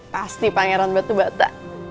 pasti pangeran batu bata